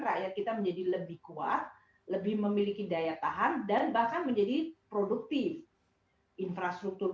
rakyat kita menjadi lebih kuat lebih memiliki daya tahan dan bahkan menjadi produktif infrastruktur